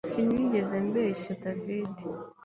Sinigeze mbeshya David